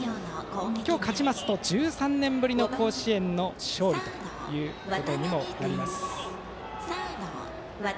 今日、勝ちますと１３年ぶりの甲子園の勝利となります。